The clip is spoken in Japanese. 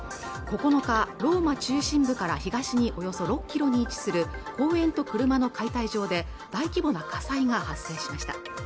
９日ローマ中心部から東におよそ６キロに位置する公園と車の解体場で大規模な火災が発生しました